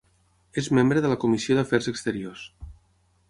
És membre de la Comissió d'Afers Exteriors.